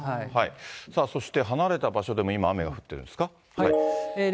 さあそして、離れた場所でも今、雨が降ってるんですか。